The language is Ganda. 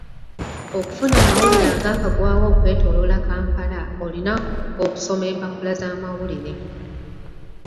Okufuna amawulire agaakagwawo okwetooloola Kampala olina okusoma empapula z'amawulire.